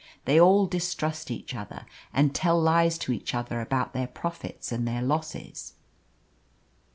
They all distrust each other, and tell lies to each other about their profits and their losses.